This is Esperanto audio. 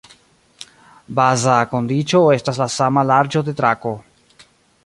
Baza kondiĉo estas la sama larĝo de trako.